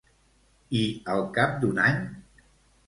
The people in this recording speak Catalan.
I al cap d'un any?